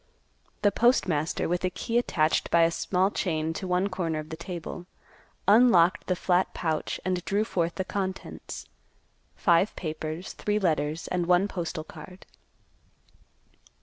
The postmaster, with a key attached by a small chain to one corner of the table, unlocked the flat pouch and drew forth the contents—five papers, three letters and one postal card.